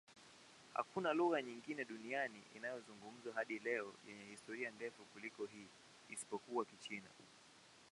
Hakuna lugha nyingine duniani inayozungumzwa hadi leo yenye historia ndefu kuliko hii, isipokuwa Kichina.